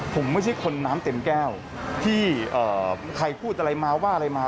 ผมไม่ใช่คนน้ำเต็มแก้วที่ใครพูดอะไรมาว่าอะไรมา